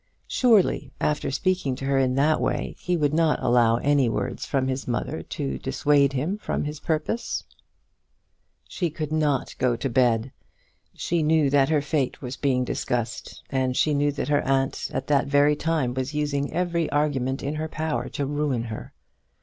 Surely, after speaking to her in that way, he would not allow any words from his mother to dissuade him from his purpose? She could not go to bed. She knew that her fate was being discussed, and she knew that her aunt at that very time was using every argument in her power to ruin her.